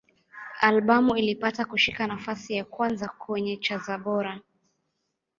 Albamu ilipata kushika nafasi ya kwanza kwenye cha za Bora.